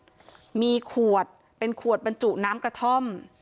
ขวดมีขวดเป็นขวดบรรจุน้ำกระท่อม